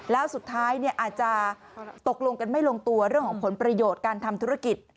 แล้วสุดท้ายอาจจะตกลงกันไม่ลงตัวเรื่องของผลประโยชน์การทำธุรกิจ